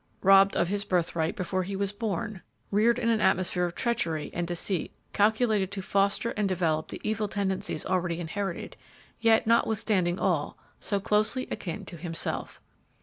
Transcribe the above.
"Robbed of his birthright before he was born," reared in an atmosphere of treachery and deceit calculated to foster and develop the evil tendencies already inherited; yet, notwithstanding all, so closely akin to himself.